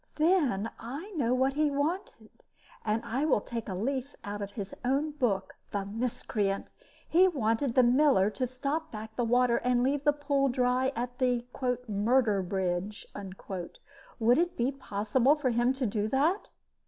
"Then I know what he wanted, and I will take a leaf out of his own book the miscreant! He wanted the miller to stop back the water and leave the pool dry at the 'Murder bridge.' Would it be possible for him to do that?"